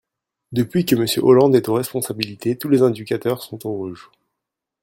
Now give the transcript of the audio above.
Depuis que Monsieur Hollande est aux responsabilités, tous les indicateurs sont au rouge.